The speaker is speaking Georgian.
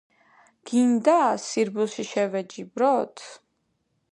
გინდა, სირბილში შევეჯიბროთ?